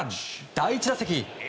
第１打席。